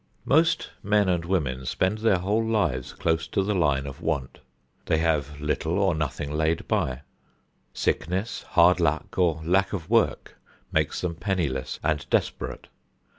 Most men and women spend their whole lives close to the line of want; they have little or nothing laid by. Sickness, hard luck, or lack of work makes them penniless and desperate.